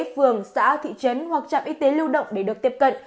phường xã thị trấn hoặc trạm y tế lưu động để được tiếp cận